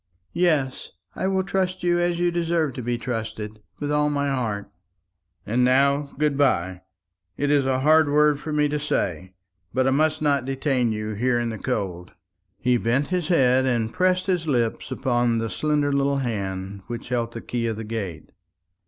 "Yes; I will trust you as you deserve to be trusted, with all my heart." "And now, good bye. It is a hard word for me to say; but I must not detain you here in the cold." He bent his head, and pressed his lips upon the slender little hand which held the key of the gate.